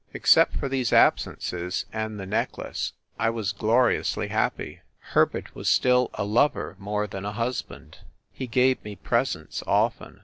Except for these ab sences and the necklace I was gloriously happy. Herbert was still a lover more than a husband. He gave me presents often.